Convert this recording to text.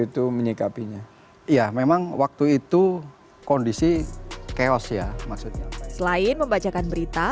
itu menyikapinya ya memang waktu itu kondisi chaos ya maksudnya selain membacakan berita